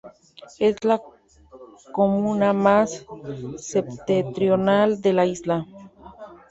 Es la comuna más septentrional de la isla.